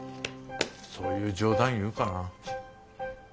そういう冗談言うかな。